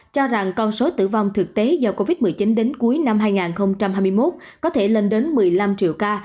cho rằng con số tử vong thực tế do covid một mươi chín đến cuối năm hai nghìn hai mươi một có thể lên đến một mươi năm triệu ca